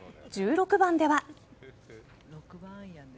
１６番では。